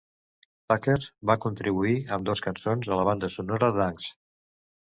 Tucker va contribuir amb dos cançons a la banda sonora "d'Angst".